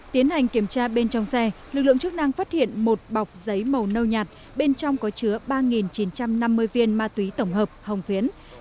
tiến hành kiểm tra bên trong xe lực lượng chức năng phát hiện một bọc giấy màu nâu nhạt bên trong có chứa ba chín trăm năm mươi viên ma túy tổng hợp hồng phiến